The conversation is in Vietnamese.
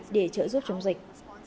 để trợ giúp chống dịch